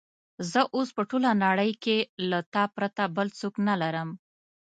زه اوس په ټوله نړۍ کې له تا پرته بل څوک نه لرم.